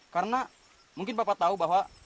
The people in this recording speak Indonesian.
karena mungkin bapak tahu bahwa